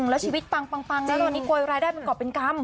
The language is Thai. แล้วชีวิตปังปังปังแล้วตอนนี้โกยรายได้เป็นเกาะเป็นกรรม